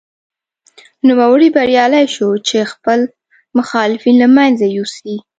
نوموړی بریالی شو چې خپل مخالفین له منځه یوسي.